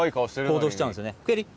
行動しちゃうんですね。